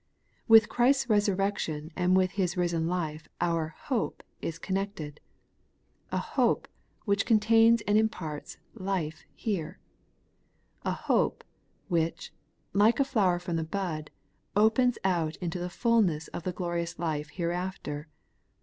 With Christ's resurrection and with His risen life our ' hope ' is connected, — a ' hope ' which contains and imparts ' life ' here ; a ' hope ' which, like a flower from the bud, opens out into the fulness of the glorious life hereafter.